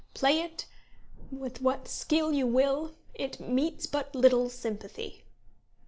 Play it with what skill you will, it meets but little sympathy.'